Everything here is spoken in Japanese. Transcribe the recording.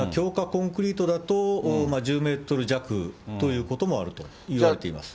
コンクリートだと、１０メートル弱ということもあるといわれています。